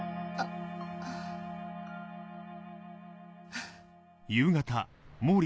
フッ。